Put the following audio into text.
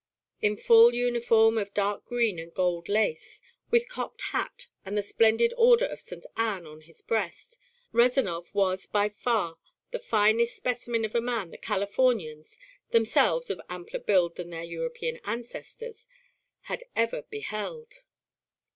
In full uniform of dark green and gold lace, with cocked hat and the splendid order of St. Ann on his breast, Rezanov was by far the finest specimen of a man the Californians, themselves of ampler build than their European ancestors, had ever beheld.